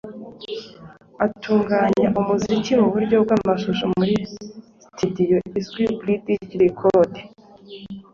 Atunganya umuziki mu buryo bw’amashusho muri Studio izwi Bridge Record